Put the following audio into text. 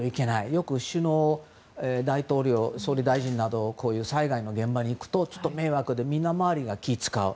よく首脳、大統領、総理大臣などがこういう災害の現場に行くと迷惑で、周りが気を使う。